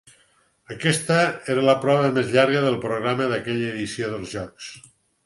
Aquesta era la prova més llarga del programa d'aquella edició dels Jocs.